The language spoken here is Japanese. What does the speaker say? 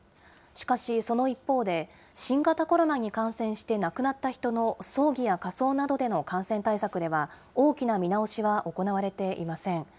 しかし、その一方で、新型コロナに感染して亡くなった人の葬儀や火葬などでの感染対策では、大きな見直しは行われていません。